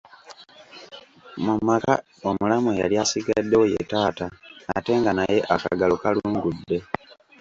Mu maka omulamu eyali asigaddewo ye taata ate nga naye akagalo kalungudde.